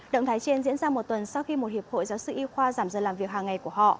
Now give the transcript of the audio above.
động thái trên diễn ra một tuần sau khi một hiệp hội giáo sư y khoa giảm giờ làm việc hàng ngày của họ